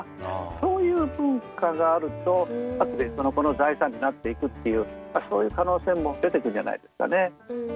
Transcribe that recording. そういう文化があるとあとでその子の財産になっていくっていうそういう可能性も出てくるんじゃないんですかね。